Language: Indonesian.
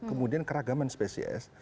kemudian keragaman species